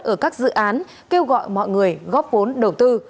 ở các dự án kêu gọi mọi người góp vốn đầu tư